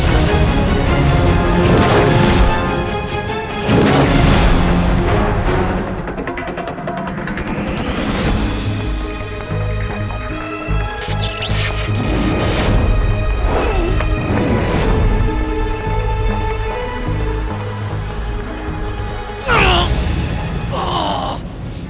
akan kutunjukkan padamu raden